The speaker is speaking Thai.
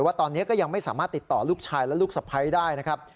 ว่าตอนนี้ก็ยังไม่สามารถติดต่อลูกชายและลูกสะพ้ายได้นะครับ